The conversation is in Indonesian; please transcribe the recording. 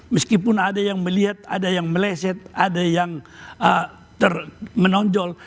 meskipun ada yang melihat ada yang meleset ada yang menonjol